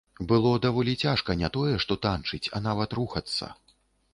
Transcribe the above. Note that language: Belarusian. Было даволі цяжка не тое, што танчыць, а нават рухацца.